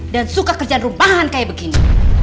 dan suka kerjaan rumpahan kayak begini